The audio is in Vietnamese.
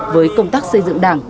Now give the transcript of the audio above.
với công tác xây dựng đảng